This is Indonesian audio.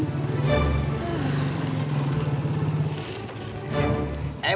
emak bukan pikiran